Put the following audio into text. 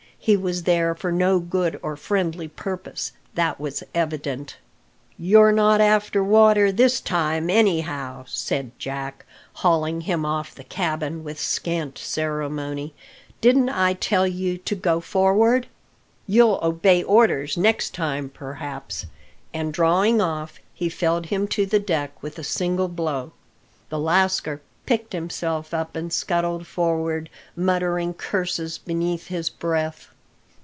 He was there for no good or friendly purpose that was evident. "You're not after water this time, anyhow," said Jack, hauling him off the cabin with scant ceremony. "Didn't I tell you to go forward? You'll obey orders next time, perhaps;" and drawing off, he felled him to the deck with a single blow. The lascar picked himself up and scuttled forward, muttering curses beneath his breath.